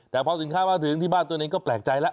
แต่พอสินค้ามาถึงที่บ้านตัวเองก็แปลกใจแล้ว